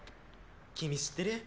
君知ってる？